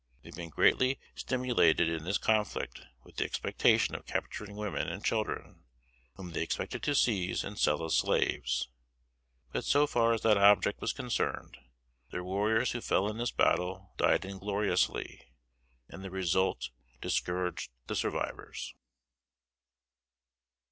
They had been greatly stimulated in this conflict with the expectation of capturing women and children, whom they expected to seize and sell as slaves. But so far as that object was concerned, their warriors who fell in this battle died ingloriously, and the result discouraged the survivors.